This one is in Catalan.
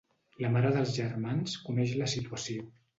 La mare dels germans coneix la situació.